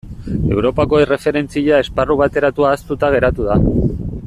Europako Erreferentzia Esparru Bateratua ahaztuta geratu da.